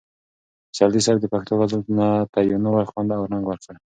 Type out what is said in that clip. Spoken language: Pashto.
پسرلي صاحب د پښتو غزل ته یو نوی خوند او رنګ ورکړ.